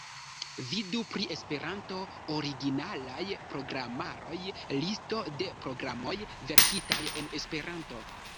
Vidu pri esperanto-originalaj programaroj: Listo de programoj verkitaj en Esperanto.